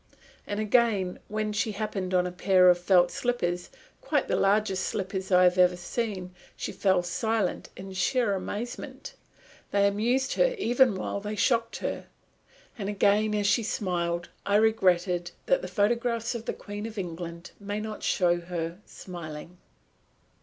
And again, when she happened on a pair of felt slippers, quite the largest slippers I have ever seen, she fell silent in sheer amazement. They amused her even while they shocked her. And again, as she smiled, I regretted that the photographs of the Queen of England may not show her smiling.